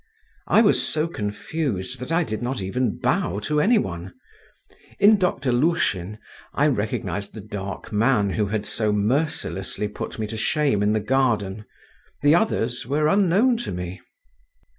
I was so confused that I did not even bow to any one; in Doctor Lushin I recognised the dark man who had so mercilessly put me to shame in the garden; the others were unknown to me.